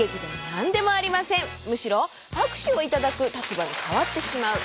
むしろ拍手を頂く立場に変わってしまう。